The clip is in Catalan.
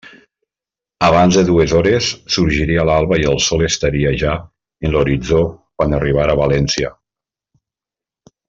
Abans de dues hores sorgiria l'alba i el sol estaria ja en l'horitzó quan arribara a València.